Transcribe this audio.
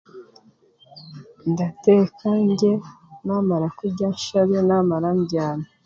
Ndateeka ndye, namara kurya nshabe, namara mbyame.